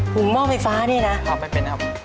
หุ่งหม้อไฟฟ้านี่นะหุ่งข้าวไม่เป็นครับ